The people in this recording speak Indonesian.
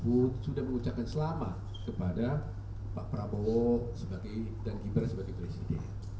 pak sudah mengucapkan selamat kepada pak prabowo dan gibran sebagai presiden